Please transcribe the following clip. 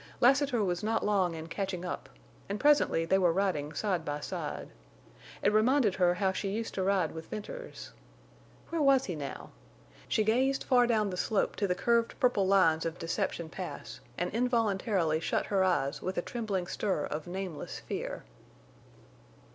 Lassiter was not long in catching up, and presently they were riding side by side. It reminded her how she used to ride with Venters. Where was he now? She gazed far down the slope to the curved purple lines of Deception Pass and involuntarily shut her eyes with a trembling stir of nameless fear.